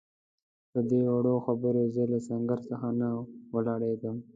پدې وړو خبرو زه له سنګر څخه نه ولاړېږم.